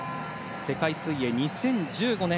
世界水泳２０１５年